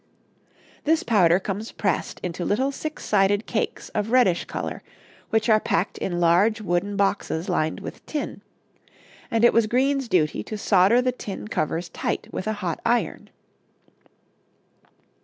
This powder comes pressed into little six sided cakes of reddish color, which are packed in large wooden boxes lined with tin, and it was Green's duty to solder the tin covers tight with a hot iron.